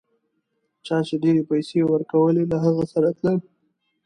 چا چي ډېرې پیسې ورکولې له هغه سره تلل.